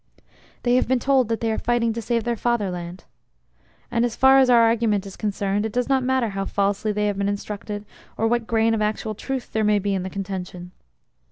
They have been told they are fighting to save their Fatherland. And as far as our argument is concerned it does not matter how falsely they have been instructed or what grain of actual truth there may be in the contention.